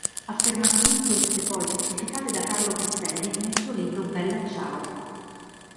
Affermazioni queste poi certificate da Carlo Pestelli nel suo libro "Bella ciao.